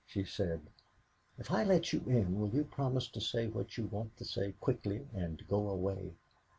She said: "If I let you in, will you promise to say what you want to say quickly, and go away?"